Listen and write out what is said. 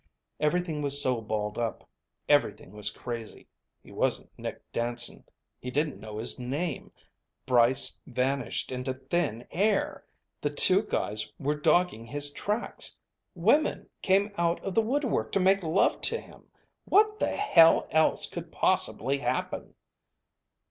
Everything was so balled up. Everything was crazy. He wasn't Nick Danson ... he didn't know his name ... Brice vanished into thin air ... the two guys were dogging his tracks ... women came out of the woodwork to make love to him. What the hell else could possibly happen?